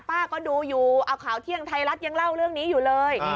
ป้าก็ดูอยู่เอาข่าวเที่ยงไทยรัฐยังเล่าเรื่องนี้อยู่เลย